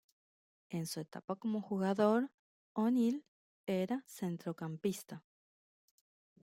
En su etapa como jugador, O'Neill era centrocampista.